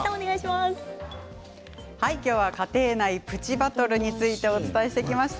今日は家庭内プチバトルについてお伝えしてきました。